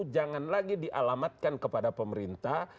jangan lagi dialamatkan kepada pemerintah